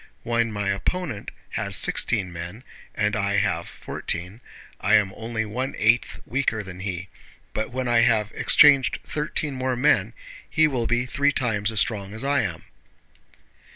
When my opponent has sixteen men and I have fourteen, I am only one eighth weaker than he, but when I have exchanged thirteen more men he will be three times as strong as I am.